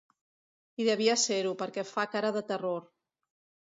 I devia ser-ho, perquè fa cara de terror.